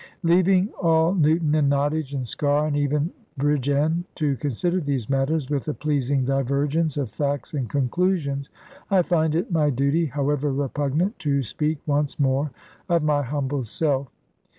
Leaving all Newton, and Nottage, and Sker, and even Bridgend to consider these matters, with a pleasing divergence of facts and conclusions, I find it my duty, however repugnant, to speak once more of my humble self.